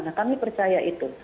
nah kami percaya itu